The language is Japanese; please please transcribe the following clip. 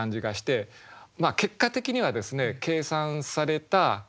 結果的にはですね計算された配列。